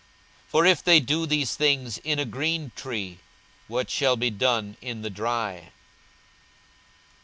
42:023:031 For if they do these things in a green tree, what shall be done in the dry?